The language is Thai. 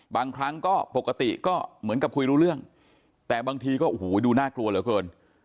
บางครั้งก็ปกติก็เหมือนกับคุยรู้เรื่องแต่บางทีก็โอ้โหดูน่ากลัวเหลือเกิน